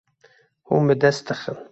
Hûn bi dest dixin.